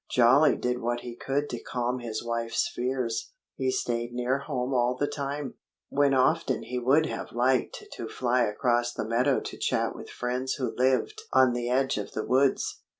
Jolly did what he could to calm his wife's fears. He stayed near home all the time, when often he would have liked to fly across the meadow to chat with friends who lived on the edge of the woods.